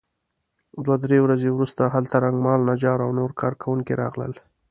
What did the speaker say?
دوه درې ورځې وروسته هلته رنګمال نجار او نور کار کوونکي راغلل.